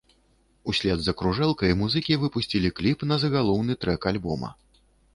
Услед за кружэлкай музыкі выпусцілі кліп на загалоўны трэк альбома.